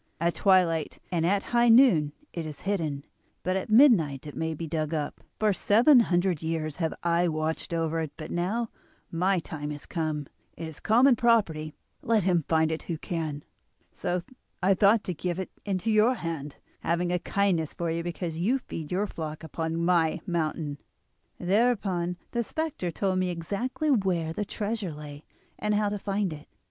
At twilight and at high noon it is hidden, but at midnight it may be dug up. For seven hundred years have I watched over it, but now my time has come; it is common property, let him find it who can. So I thought to give it into your hand, having a kindness for you because you feed your flock upon my mountain.' "Thereupon the spectre told me exactly where the treasure lay, and how to find it.